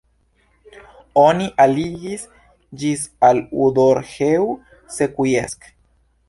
Oni aligis ĝin al Odorheiu Secuiesc.